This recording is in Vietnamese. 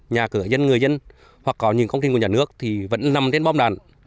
nhà cửa dân người dân hoặc có những công trình của nhà nước thì vẫn nằm trên bom đạn